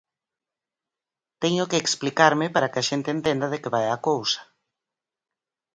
Teño que explicarme para que a xente entenda de que vai a cousa.